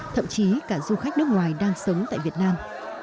thậm chí cả du khách nước ngoài đang sống tại việt nam